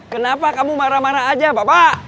kenapa kamu marah marah aja bapak